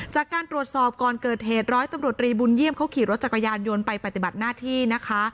จากการตรวจสอบก่อนเกิดเหตุร้อยตำรวจรีบุญเยี่ยมเขาขี่รถจักรยานยนต์ไปปฏิบัติหน้าที่นะคะ